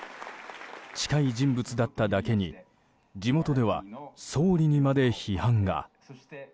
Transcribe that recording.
近い人物だっただけに地元では、総理にまで批判が。